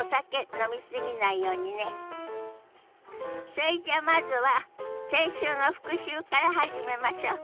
それじゃあまずは先週の復習から始めましょ。